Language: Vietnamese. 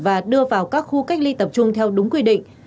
và đưa vào các khu cách ly tập trung theo đúng quy định